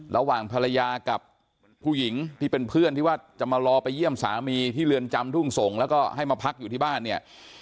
ระหว่างภรรยากับผู้หญิงที่เป็นเพื่อนที่ว่าจะมารอไปเยี่ยมสามีที่เรือนจำทุ่งส่งแล้วก็ให้มาพักอยู่ที่บ้านเนี่ย